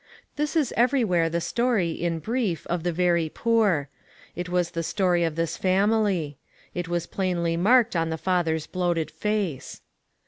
This is everywhere the story, in brief, of the very poor. It was the story of this fam ily. It was plainly marked on the father's bloated face.